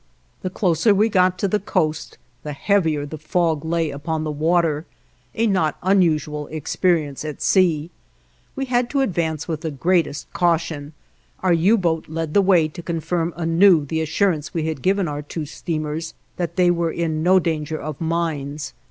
The closer we got to the coast the heavier the fog lay upon the water, a not unusual experience at sea. We had to advance with the greatest caution; our U boat led the way to confirm anew the assurance we had given our two steamers that they were in no danger of mines.